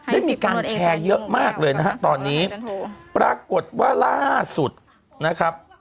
ได้มีการแชร์เยอะมากเลยนะฮะตอนนี้ปรากฏว่าล่าสุดนะครับ